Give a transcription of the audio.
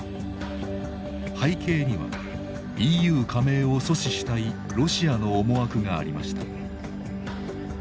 背景にはＥＵ加盟を阻止したいロシアの思惑がありました。